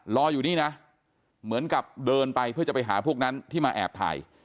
รออยู่นี่นะเหมือนกับเดินไปเพื่อจะไปหาพวกนั้นที่มาแอบถ่าย